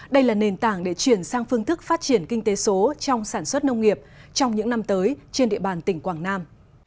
đây là nền tảng để chuyển sang phương thức phát triển kinh tế số trong sản xuất nông nghiệp trong những năm tới trên địa bàn tỉnh quảng nam